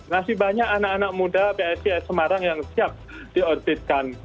masih banyak anak anak muda psis semarang yang siap diorbitkan